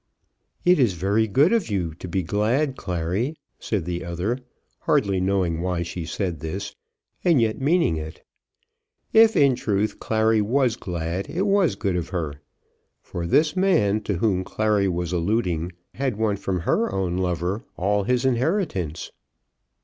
"It is very good of you to be glad, Clary," said the other, hardly knowing why she said this, and yet meaning it. If in truth Clary was glad, it was good of her. For this man to whom Clary was alluding had won from her own lover all his inheritance.